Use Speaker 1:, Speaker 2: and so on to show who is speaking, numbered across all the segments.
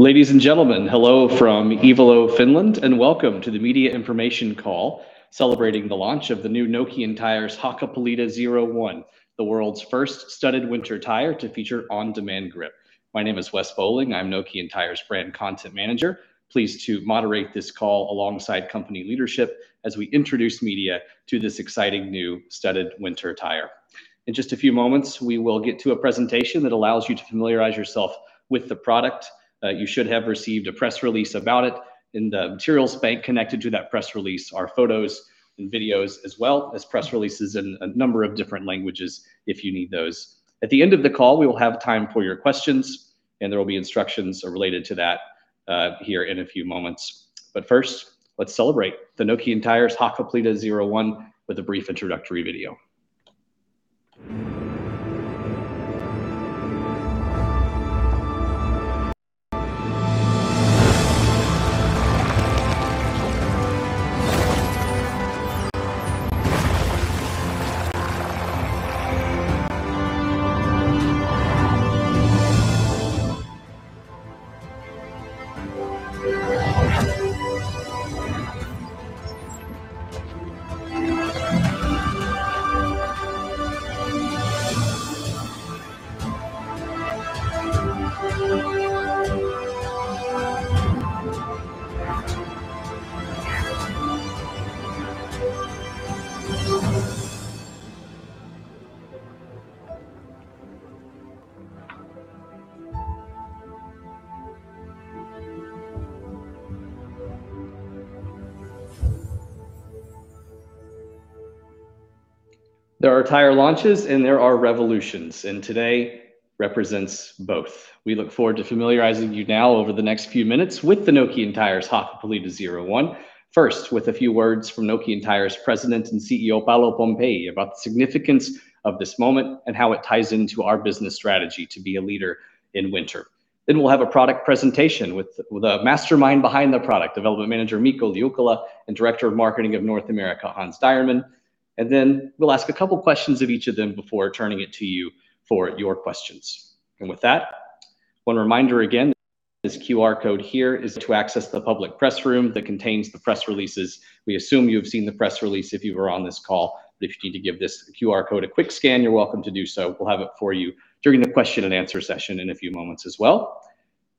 Speaker 1: Ladies and gentlemen, hello from Ivalo, Finland, and welcome to the media information call celebrating the launch of the new Nokian Tyres Hakkapeliitta 01, the world's first studded winter tire to feature On-Demand Grip. My name is Wes Boling. I'm Nokian Tyres brand content manager, pleased to moderate this call alongside company leadership as we introduce media to this exciting new studded winter tire. In just a few moments, we will get to a presentation that allows you to familiarize yourself with the product. You should have received a press release about it. In the materials bank connected to that press release are photos and videos, as well as press releases in a number of different languages if you need those. At the end of the call, we will have time for your questions, and there will be instructions related to that here in a few moments. First, let's celebrate the Nokian Tyres Hakkapeliitta 01 with a brief introductory video. There are tire launches, and there are revolutions, today represents both. We look forward to familiarizing you now over the next few minutes with the Nokian Tyres Hakkapeliitta 01, first with a few words from Nokian Tyres President and CEO, Paolo Pompei about the significance of this moment and how it ties into our business strategy to be a leader in winter. We'll have a product presentation with the mastermind behind the product, Development Manager Mikko Liukkula and Director of Marketing of North America, Hans Dyhrman. We'll ask a couple questions of each of them before turning it to you for your questions. With that, one reminder again, this QR code here is to access the public press room that contains the press releases. We assume you've seen the press release if you are on this call. If you need to give this QR code a quick scan, you're welcome to do so. We'll have it for you during the question and answer session in a few moments as well.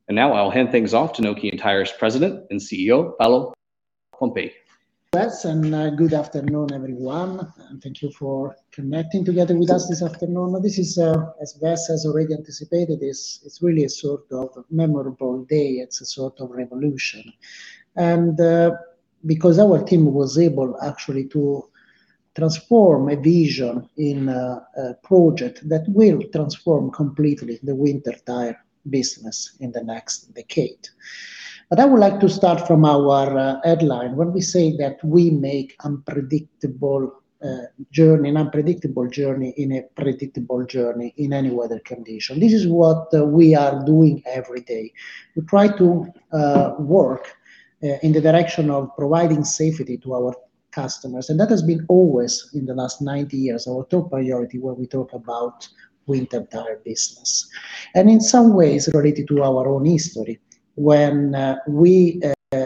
Speaker 1: Now I'll hand things off to Nokian Tyres President and CEO, Paolo Pompei.
Speaker 2: Wes, good afternoon, everyone, and thank you for connecting together with us this afternoon. This is, as Wes has already anticipated, this is really a sort of memorable day. It's a sort of revolution. Because our team was able actually to transform a vision in a project that will transform completely the winter tire business in the next decade. I would like to start from our headline. When we say that we make unpredictable an unpredictable journey in a predictable journey in any weather condition. This is what we are doing every day. We try to work in the direction of providing safety to our customers, and that has been always, in the last 90 years, our top priority when we talk about winter tire business. In some ways related to our own history, when we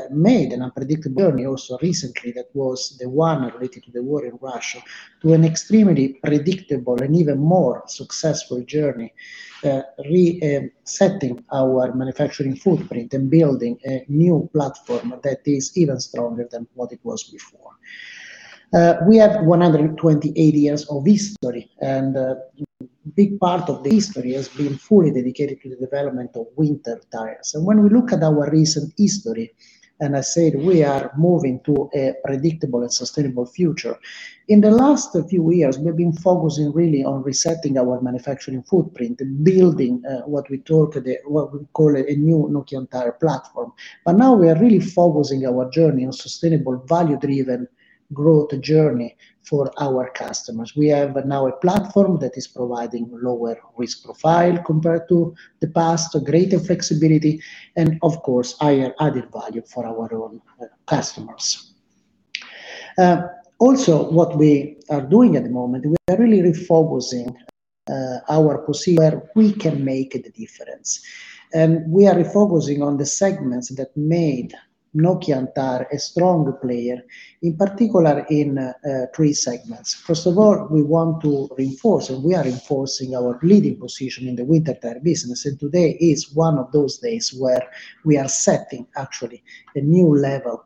Speaker 2: made an unpredictable journey also recently, that was the one related to the war in Russia, to an extremely predictable and even more successful journey, resetting our manufacturing footprint and building a new platform that is even stronger than what it was before. We have 128 years of history, and a big part of the history has been fully dedicated to the development of winter tires. When we look at our recent history, and I said we are moving to a predictable and sustainable future. In the last few years, we've been focusing really on resetting our manufacturing footprint and building what we call a new Nokian Tyres platform. Now we are really focusing our journey on sustainable, value-driven growth journey for our customers. We have now a platform that is providing lower risk profile compared to the past, a greater flexibility, and of course, higher added value for our own customers. Also what we are doing at the moment, we are really refocusing our procedure. We can make the difference. We are refocusing on the segments that made Nokian Tyres a strong player, in particular in three segments. First of all, we want to reinforce, and we are enforcing our leading position in the winter tire business. Today is one of those days where we are setting actually a new level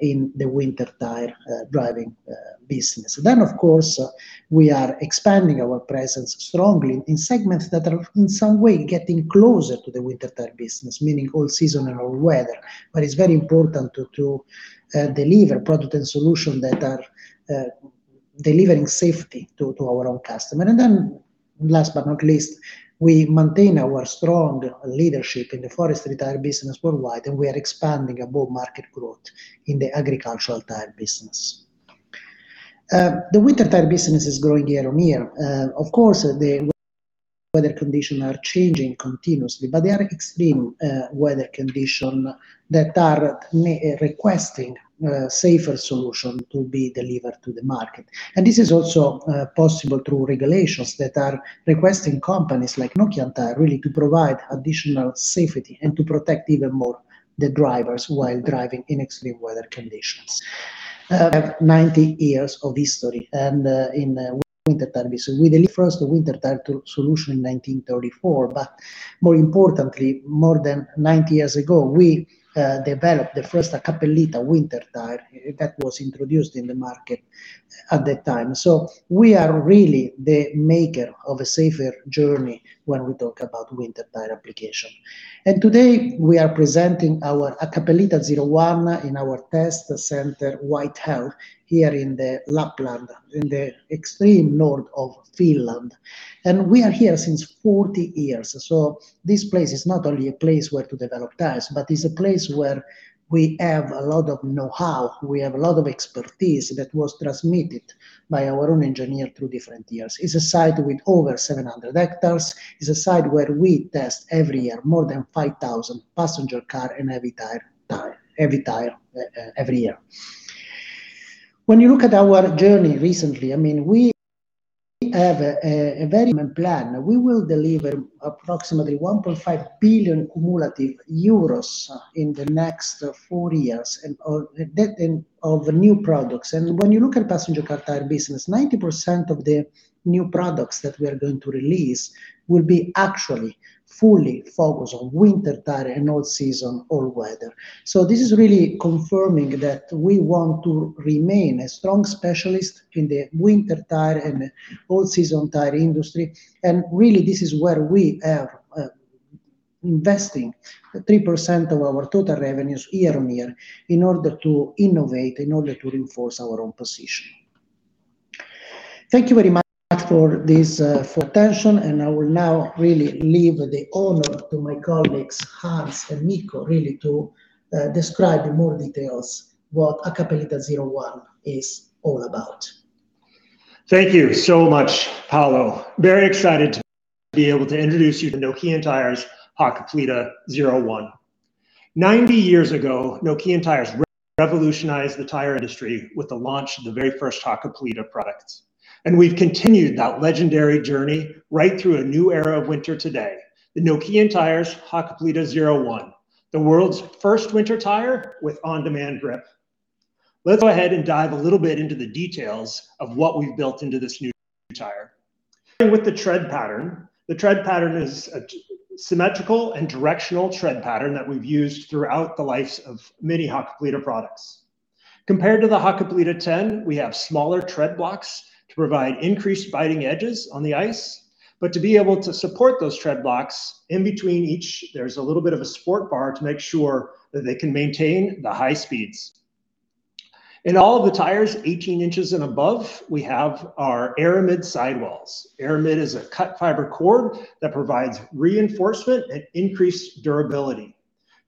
Speaker 2: in the winter tire driving business. Of course, we are expanding our presence strongly in segments that are in some way getting closer to the winter tire business, meaning all season and all weather. It's very important to deliver product and solution that are delivering safety to our own customer. Last but not least, we maintain our strong leadership in the forestry tire business worldwide, and we are expanding above market growth in the agricultural tire business. The winter tire business is growing year on year. Of course, the weather condition are changing continuously, but they are extreme weather condition that are requesting a safer solution to be delivered to the market. This is also possible through regulations that are requesting companies like Nokian Tyres really to provide additional safety and to protect even more the drivers while driving in extreme weather conditions. 90 years of history and in winter tire business. We delivered the first winter tire to solution in 1934. More importantly, more than 90 years ago, we developed the first Hakkapeliitta winter tire that was introduced in the market at that time. We are really the maker of a safer journey when we talk about winter tire application. Today, we are presenting our Hakkapeliitta 01 in our test center, White Hell, here in the Lapland, in the extreme north of Finland. We are here since 40 years. This place is not only a place where to develop tires, but it's a place where we have a lot of know-how, we have a lot of expertise that was transmitted by our own engineer through different years. It's a site with over 700 hectares. It's a site where we test every year more than 5,000 passenger car and every tire every year. When you look at our journey recently, I mean, we have a development plan. We will deliver approximately 1.5 billion cumulative euros in the next four years and all that in of new products. When you look at passenger car tire business, 90% of the new products that we are going to release will be actually fully focused on winter tire and all season, all weather. This is really confirming that we want to remain a strong specialist in the winter tire and all season tire industry. Really, this is where we are investing 3% of our total revenues year on year in order to innovate, in order to reinforce our own position. Thank you very much for this for attention, and I will now really leave the honor to my colleagues, Hans and Mikko, really to describe in more details what Hakkapeliitta 01 is all about.
Speaker 3: Thank you so much, Paolo. Very excited to be able to introduce you to Nokian Tyres Hakkapeliitta 01. 90 years ago, Nokian Tyres re-revolutionized the tire industry with the launch of the very first Hakkapeliitta products. We've continued that legendary journey right through a new era of winter today. The Nokian Tyres Hakkapeliitta 01, the world's first winter tire with On-Demand Grip. Let's go ahead and dive a little bit into the details of what we've built into this new tire. With the tread pattern, the tread pattern is a symmetrical and directional tread pattern that we've used throughout the lives of many Hakkapeliitta products. Compared to the Hakkapeliitta 10, we have smaller tread blocks to provide increased biting edges on the ice. To be able to support those tread blocks, in between each, there's a little bit of a sport bar to make sure that they can maintain the high speeds. In all of the tires, 18 in and above, we have our Aramid sidewalls. Aramid is a cut fiber cord that provides reinforcement and increased durability,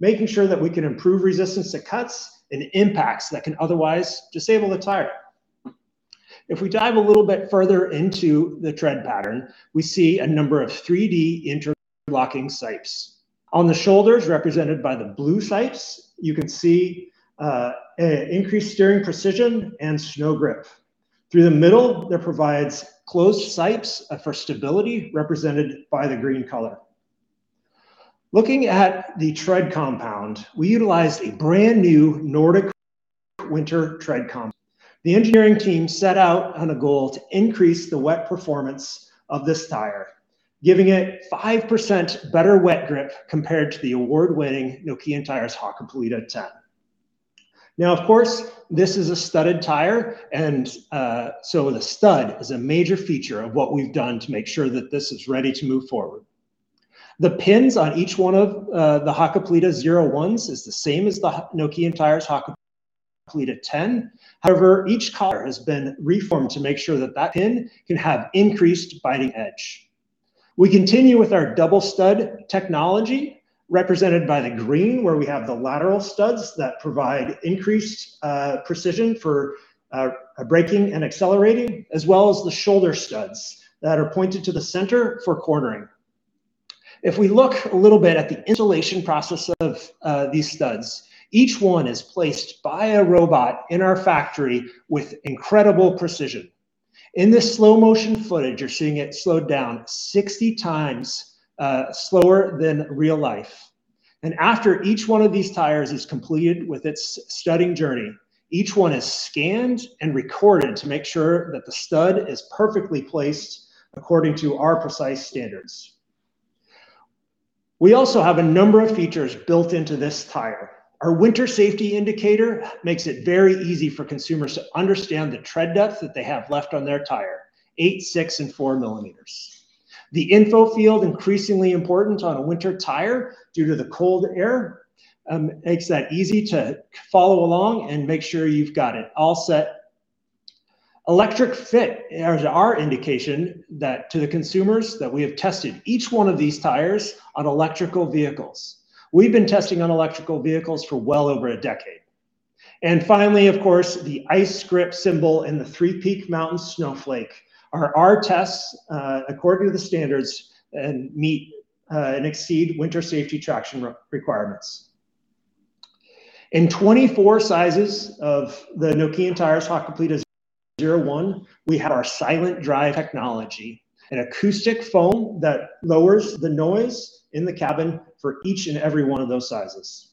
Speaker 3: making sure that we can improve resistance to cuts and impacts that can otherwise disable the tire. If we dive a little bit further into the tread pattern, we see a number of 3D interlocking sipes. On the shoulders, represented by the blue sipes, you can see increased steering precision and snow grip. Through the middle, that provides closed sipes for stability, represented by the green color. Looking at the tread compound, we utilized a brand-new Nordic winter tread compound. The engineering team set out on a goal to increase the wet performance of this tire, giving it 5% better wet grip compared to the award-winning Nokian Tyres Hakkapeliitta 10. Of course, this is a studded tire, so the stud is a major feature of what we've done to make sure that this is ready to move forward. The pins on each one of the Hakkapeliitta 01 is the same as the Nokian Tyres Hakkapeliitta 10. However, each car has been reformed to make sure that that pin can have increased biting edge. We continue with our Double Stud Technology, represented by the green, where we have the lateral studs that provide increased precision for braking and accelerating, as well as the shoulder studs that are pointed to the center for cornering. If we look a little bit at the installation process of these studs, each one is placed by a robot in our factory with incredible precision. In this slow motion footage, you're seeing it slowed down 60 times slower than real life. After each one of these tires is completed with its studding journey, each one is scanned and recorded to make sure that the stud is perfectly placed according to our precise standards. We also have a number of features built into this tire. Our Winter Safety Indicator makes it very easy for consumers to understand the tread depth that they have left on their tire, 8 mm, 6 mm, and 4 mm. The Info Field, increasingly important on a winter tire due to the cold air, makes that easy to follow along and make sure you've got it all set. ELECTRIC FIT is our indication that to the consumers that we have tested each one of these tires on electrical vehicles. We've been testing on electrical vehicles for well over a decade. Finally, of course, the Ice Grip symbol and the Three-Peak Mountain Snowflake are our tests, according to the standards, and meet and exceed winter safety traction requirements. In 24 sizes of the Nokian Tyres Hakkapeliitta 01, we have our SilentDrive technology, an acoustic foam that lowers the noise in the cabin for each and every one of those sizes.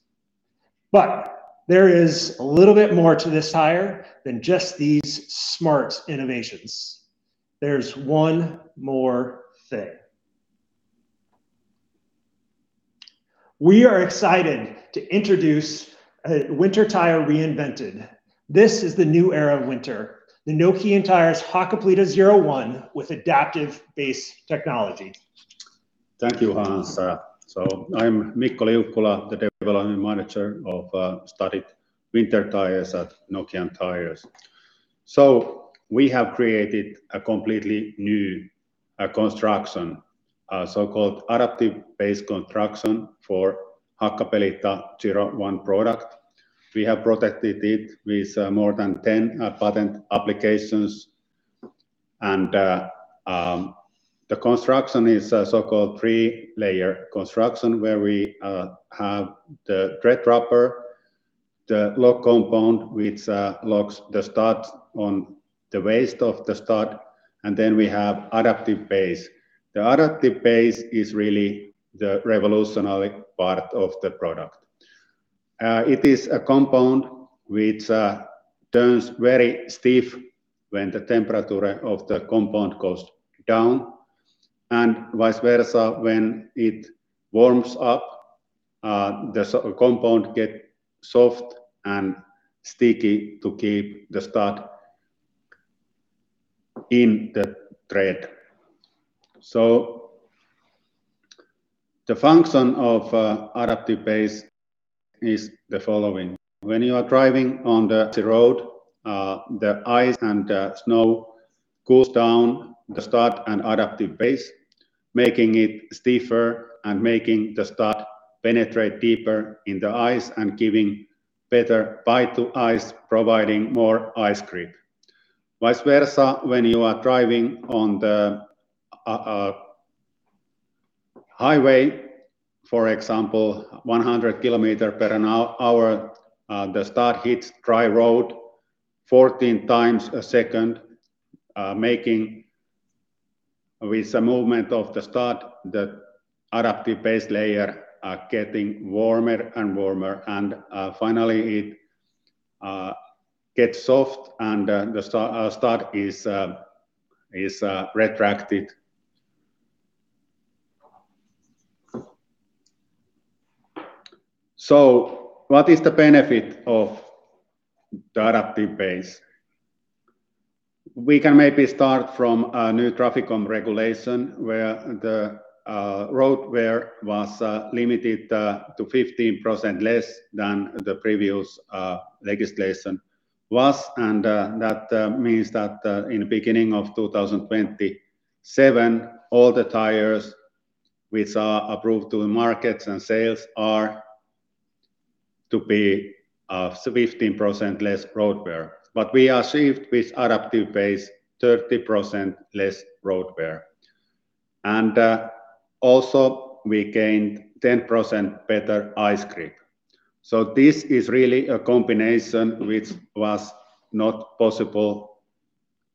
Speaker 3: There is a little bit more to this tire than just these smart innovations. There's one more thing. We are excited to introduce a winter tire reinvented. This is the new era of winter, the Nokian Tyres Hakkapeliitta 01 with adaptive base technology.
Speaker 4: Thank you, Hans. I'm Mikko Liukkula, the Development Manager of studded winter tires at Nokian Tyres. We have created a completely new construction, a so-called adaptive base construction for Hakkapeliitta 01 product. We have protected it with more than 10 patent applications. The construction is a so-called three layer construction where we have the tread rubber, the lock compound which locks the stud on the waist of the stud, and then we have adaptive base. The adaptive base is really the revolutionary part of the product. It is a compound which turns very stiff when the temperature of the compound goes down, and vice versa when it warms up, the compound get soft and sticky to keep the stud in the tread. The function of adaptive base is the following. When you are driving on the road, the ice and the snow cools down the stud and adaptive base, making it stiffer and making the stud penetrate deeper in the ice and giving better bite to ice, providing more ice grip. Vice versa, when you are driving on the highway, for example, 100 kph, the stud hits dry road 14 times a second, making with the movement of the stud, the adaptive base layer getting warmer and warmer and finally it gets soft and the stud is retracted. What is the benefit of the adaptive base? We can maybe start from a new traffic regulation where the road wear was limited to 15% less than the previous legislation was. That means that in the beginning of 2027, all the tires which are approved to the markets and sales are to be 15% less road wear. We achieved with adaptive base 30% less road wear. Also we gained 10% better ice grip. This is really a combination which was not possible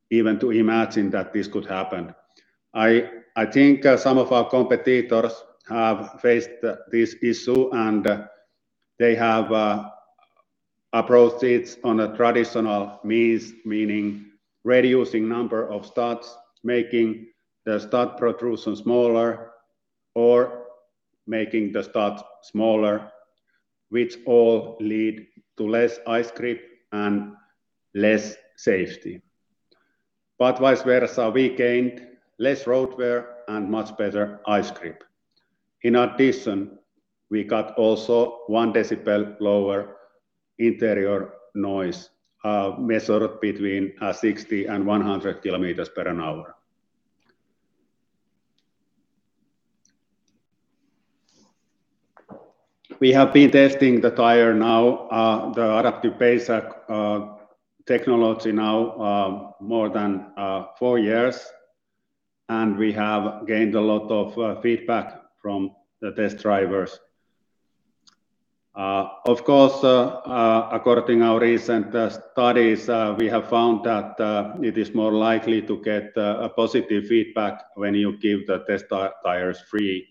Speaker 4: even to imagine that this could happen. I think some of our competitors have faced this issue and they have approached it on a traditional means, meaning reducing number of studs, making the stud protrusion smaller or making the studs smaller, which all lead to less ice grip and less safety. Vice versa, we gained less road wear and much better ice grip. In addition, we got also 1 dB lower interior noise, measured between 60 kph and 100 kph. We have been testing the tire now, the adaptive base technology now, more than four years, and we have gained a lot of feedback from the test drivers. Of course, according our recent studies, we have found that it is more likely to get a positive feedback when you give the test tires free.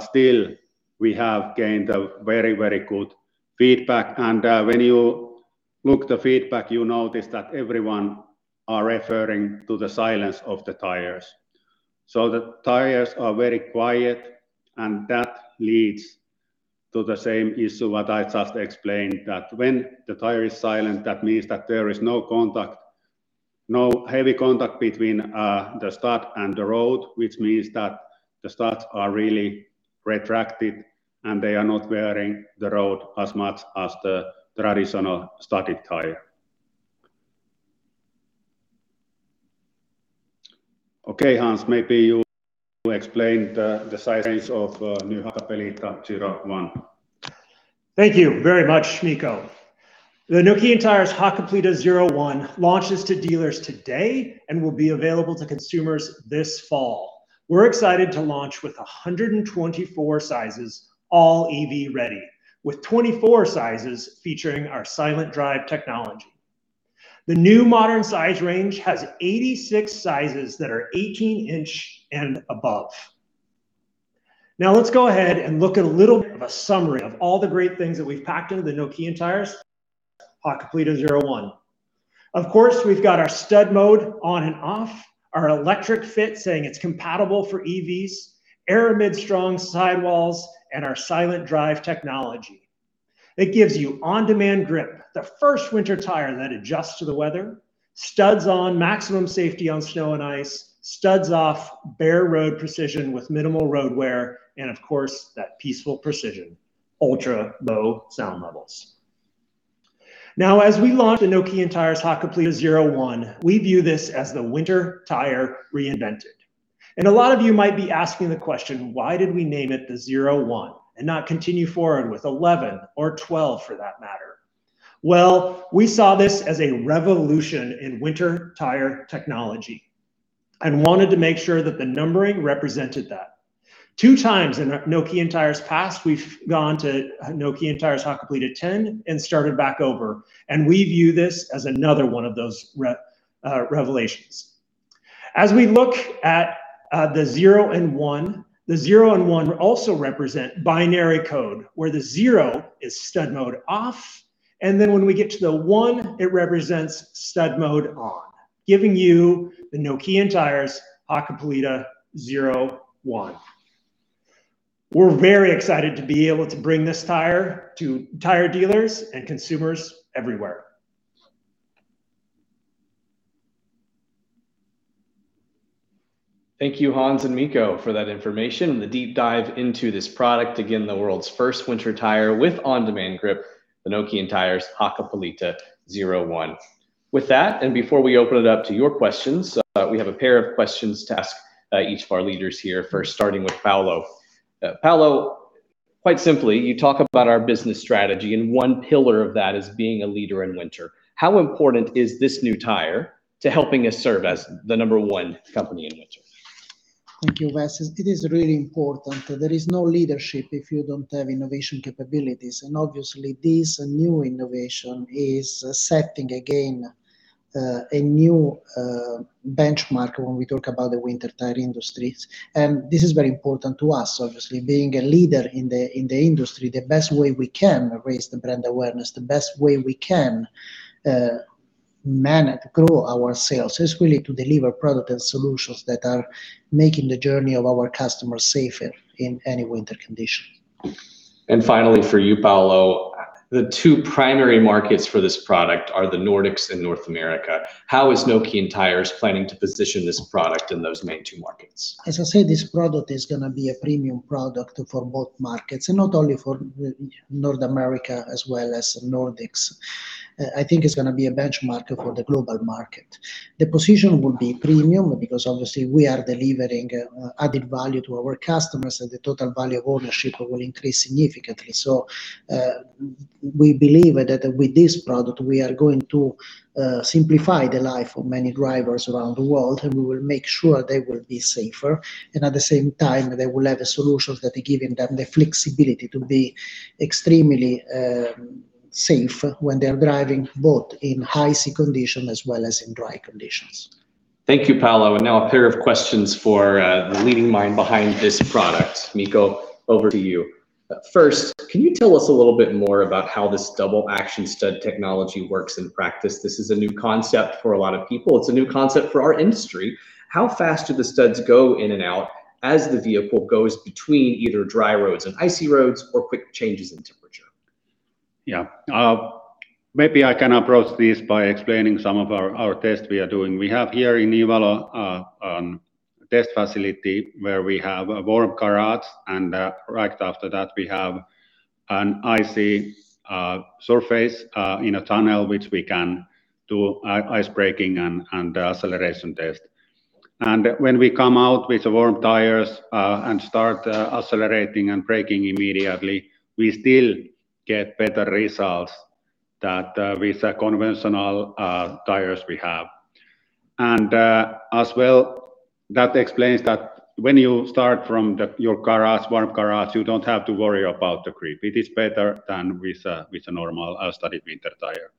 Speaker 4: Still, we have gained a very, very good feedback. When you look the feedback, you notice that everyone are referring to the silence of the tires. The tires are very quiet, and that leads to the same issue what I just explained, that when the tire is silent, that means that there is no contact, no heavy contact between the stud and the road, which means that the studs are really retracted, and they are not wearing the road as much as the traditional studded tire. Okay, Hans, maybe you explain the size range of new Hakkapeliitta 01.
Speaker 3: Thank you very much, Mikko. The Nokian Tyres Hakkapeliitta 01 launches to dealers today and will be available to consumers this fall. We're excited to launch with 124 sizes, all EV ready, with 24 sizes featuring our SilentDrive technology. The new modern size range has 86 sizes that are 18 in and above. Let's go ahead and look at a little bit of a summary of all the great things that we've packed into the Nokian Tyres Hakkapeliitta 01. Of course, we've got our stud mode on and off, our ELECTRIC FIT saying it's compatible for EVs, Aramid strong sidewalls, and our SilentDrive technology. It gives you On-Demand Grip, the first winter tire that adjusts to the weather. Studs on, maximum safety on snow and ice. Studs off, bare road precision with minimal road wear. Of course, that peaceful precision, ultra-low sound levels. As we launch the Nokian Tyres Hakkapeliitta 01, we view this as the winter tire reinvented. A lot of you might be asking the question, why did we name it the 01 and not continue forward with 11 or 12 for that matter? Well, we saw this as a revolution in winter tire technology and wanted to make sure that the numbering represented that. 2 times in our Nokian Tyres past, we've gone to Nokian Tyres Hakkapeliitta 10 and started back over, and we view this as another one of those revelations. As we look at the zero and one, the zero and one also represent binary code, where the zero is stud mode off. When we get to the one, it represents stud mode on, giving you the Nokian Tyres Hakkapeliitta 01. We're very excited to be able to bring this tire to tire dealers and consumers everywhere.
Speaker 1: Thank you, Hans and Mikko, for that information and the deep dive into this product. The world's first winter tire with On-Demand Grip, the Nokian Tyres Hakkapeliitta 01. With that, and before we open it up to your questions, we have a pair of questions to ask each of our leaders here. First, starting with Paolo. Paolo, quite simply, you talk about our business strategy, and one pillar of that is being a leader in winter. How important is this new tire to helping us serve as the number one company in winter?
Speaker 2: Thank you, Wes. It is really important. There is no leadership if you don't have innovation capabilities. Obviously this new innovation is setting again, a new benchmark when we talk about the winter tire industries, and this is very important to us. Obviously, being a leader in the industry, the best way we can raise the brand awareness, the best way we can manage, grow our sales is really to deliver product and solutions that are making the journey of our customers safer in any winter condition.
Speaker 1: Finally, for you, Paolo, the two primary markets for this product are the Nordics and North America. How is Nokian Tyres planning to position this product in those main two markets?
Speaker 2: As I said, this product is gonna be a premium product for both markets and not only for North America as well as Nordics. I think it's gonna be a benchmark for the global market. The position will be premium because obviously we are delivering added value to our customers, and the total value of ownership will increase significantly. We believe that with this product we are going to simplify the life of many drivers around the world, and we will make sure they will be safer. At the same time, they will have the solutions that are giving them the flexibility to be extremely safe when they are driving, both in icy condition as well as in dry conditions.
Speaker 1: Thank you, Paolo. Now a pair of questions for the leading mind behind this product. Mikko, over to you. First, can you tell us a little bit more about how this double action stud technology works in practice? This is a new concept for a lot of people. It's a new concept for our industry. How fast do the studs go in and out as the vehicle goes between either dry roads and icy roads or quick changes in temperature?
Speaker 4: Maybe I can approach this by explaining some of our test we are doing. We have here in Ivalo a test facility where we have a warm garage and right after that we have an icy surface in a tunnel, which we can do ice breaking and acceleration test. When we come out with warm tires and start accelerating and braking immediately, we still get better results that with conventional tires we have. As well, that explains that when you start from your garage, warm garage, you don't have to worry about the grip. It is better than with a normal studded winter tire.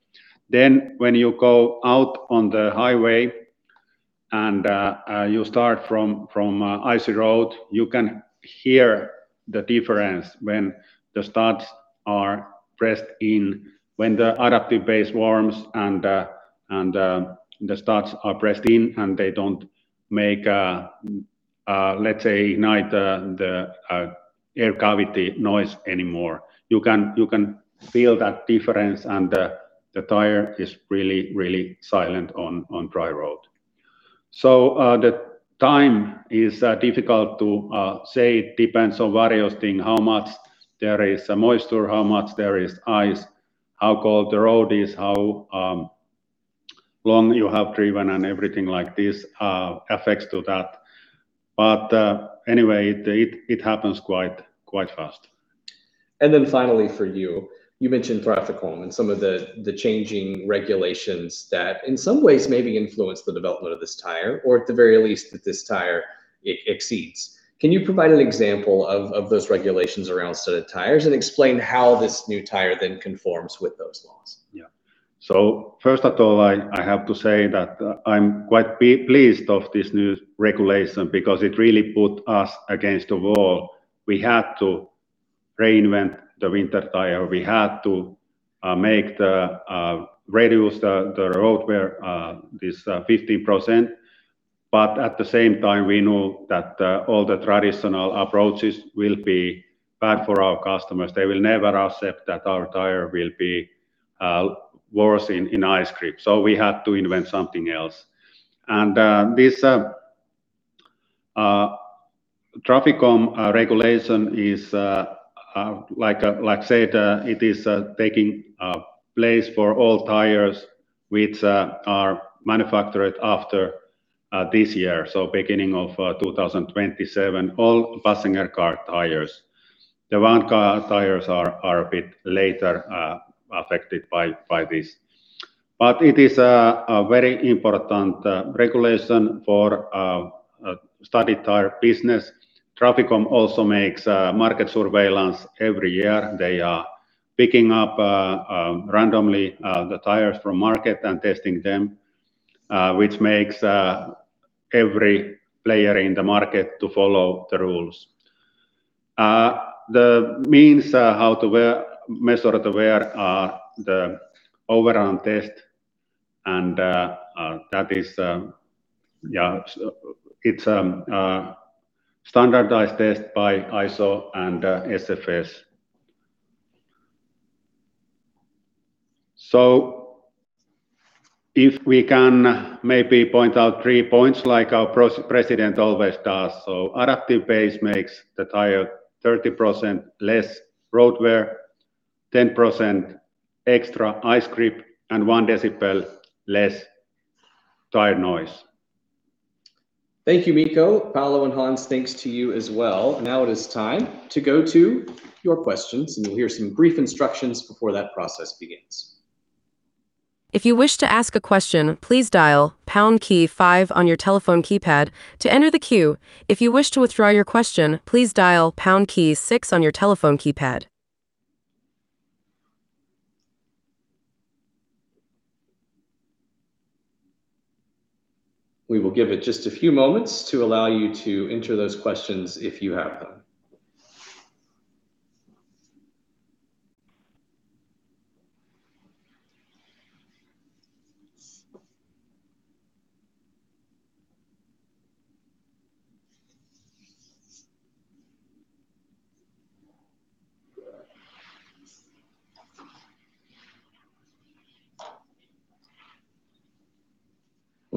Speaker 4: When you go out on the highway and you start from a icy road, you can hear the difference when the studs are pressed in, when the adaptive base warms and the studs are pressed in and they don't make, let's say, night, the air cavity noise anymore. You can feel that difference. The tire is really silent on dry road. The time is difficult to say. It depends on various thing, how much there is moisture, how much there is ice, how cold the road is, how long you have driven and everything like this affects to that. Anyway, it happens quite fast.
Speaker 1: Then finally for you mentioned Traficom and some of the changing regulations that in some ways maybe influenced the development of this tire, or at the very least that this tire exceeds. Can you provide an example of those regulations around studded tires, and explain how this new tire then conforms with those laws?
Speaker 4: Yeah. First of all, I have to say that I'm quite pleased of this new regulation because it really put us against the wall. We had to reinvent the winter tire. We had to make the reduce the road wear this 50%, at the same time we knew that all the traditional approaches will be bad for our customers. They will never accept that our tire will be worse in ice grip. We had to invent something else. This Traficom regulation is like a, like I say, it is taking place for all tires which are manufactured after this year, beginning of 2027, all passenger car tires. The van car tires are a bit later affected by this. It is a very important regulation for studded tire business. Traficom also makes market surveillance every year. They are picking up randomly the tires from market and testing them, which makes every player in the market to follow the rules. The means how to measure the wear are the overrun test and that is, yeah, it's standardized test by ISO and SFS. If we can maybe point out three points like our president always does. Adaptive base makes the tire 30% less road wear, 10% extra ice grip, and 1 dB less tire noise.
Speaker 1: Thank you, Mikko. Paolo and Hans, thanks to you as well. Now it is time to go to your questions, and you'll hear some brief instructions before that process begins.
Speaker 5: If you wish to ask a question, please dial pound key five on your telephone keypad to enter the queue. If you wish to withdraw your question, please dial pound key six on your telephone keypad.
Speaker 1: We will give it just a few moments to allow you to enter those questions if you have them.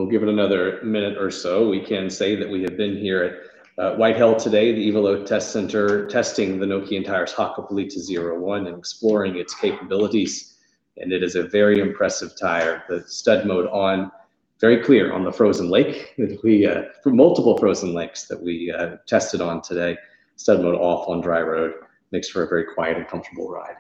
Speaker 1: We'll give it another minute or so. We can say that we have been here at White Hell today, the Ivalo Test Center, testing the Nokian Tyres Hakkapeliitta 01 and exploring its capabilities, and it is a very impressive tire. The Studmode on, very clear on the frozen lake. We for multiple frozen lakes that we tested on today. Studmode off on dry road makes for a very quiet and comfortable ride.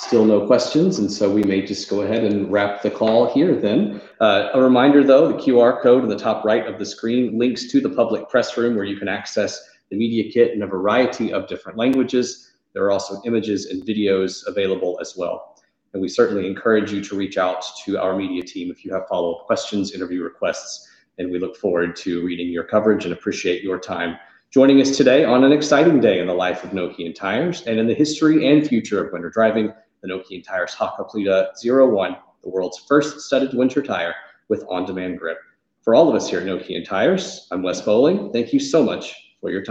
Speaker 1: Still no questions, we may just go ahead and wrap the call here then. A reminder, though, the QR code in the top right of the screen links to the public press room, where you can access the media kit in a variety of different languages. There are also images and videos available as well. We certainly encourage you to reach out to our media team if you have follow-up questions, interview requests, and we look forward to reading your coverage and appreciate your time joining us today on an exciting day in the life of Nokian Tyres, and in the history and future of winter driving, the Nokian Tyres Hakkapeliitta 01, the world's first studded winter tire with On-Demand Grip. For all of us here at Nokian Tyres, I'm Wes Boling. Thank you so much for your time.